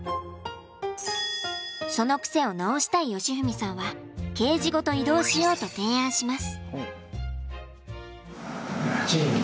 その癖を直したい喜史さんはケージごと移動しようと提案します。